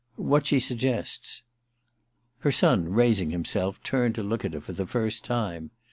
* What she suggests.' Her son, raising himself, turned to look at her for the first time.